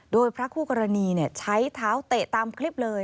โดยพระคู่กรณีใช้เท้าเตะตามคลิปเลย